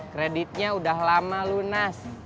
kreditnya udah lama lunas